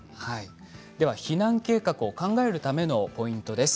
避難計画を考えるためのポイントです。